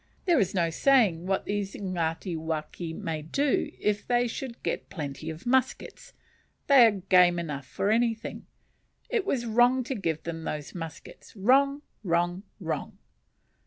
There is no saying what these Ngatiwaki may do if they should get plenty of muskets; they are game enough for anything. It was wrong to give them those muskets; wrong, wrong, wrong!"